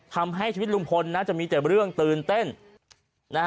ทำให้ชีวิตลุงพลจะมีเต็มเรื่องตื่นเต้น